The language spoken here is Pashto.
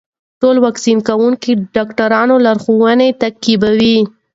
ټول واکسین کوونکي د ډاکټرانو لارښوونې تعقیبوي.